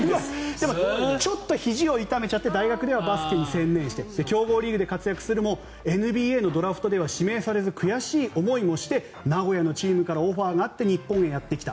でもちょっとひじを痛めちゃって大学時代はバスケに専念して強豪リーグで活躍するもＮＢＡのドラフトでは指名されず悔しい思いをして名古屋のチームからオファーがあって日本にやってきた。